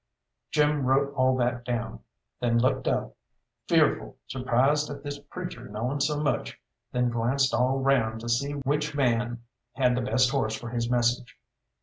Jim wrote all that down, then looked up, fearful, surprised at this preacher knowing so much, then glanced all round to see which man had the best horse for his message.